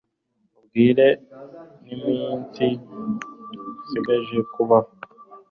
umbwire n'iminsi nshigaje kubaho